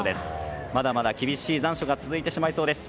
まだまだ厳しい残暑が続いてしまいそうです。